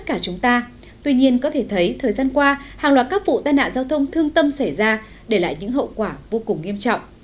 các bạn có thể thấy thời gian qua hàng loạt các vụ tai nạn giao thông thương tâm xảy ra để lại những hậu quả vô cùng nghiêm trọng